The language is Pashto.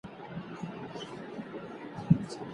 که څوک چټک خواړه ډېر وخوري نو بدن یې غوړېږي.